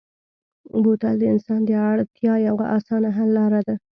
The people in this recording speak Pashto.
بوتل د انسان د اړتیا یوه اسانه حل لاره ده.